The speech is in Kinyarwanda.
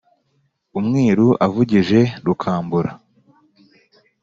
umwiru avugije rukambura